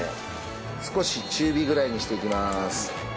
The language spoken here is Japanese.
少し中火ぐらいにしていきます。